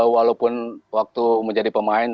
walaupun waktu menjadi pemain